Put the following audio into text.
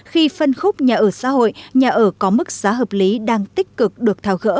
khi phân khúc nhà ở xã hội nhà ở có mức giá hợp lý đang tích cực được thao gỡ